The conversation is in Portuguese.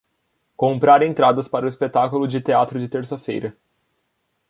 Comprar entradas para o espetáculo de teatro de terça-feira